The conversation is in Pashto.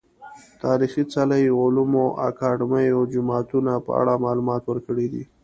تاريخي څلي، علومو اکادميو، جوماتونه په اړه معلومات ورکړي دي